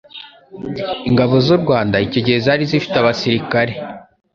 Ingabo z'u Rwanda icyo gihe zari zifite abasirikare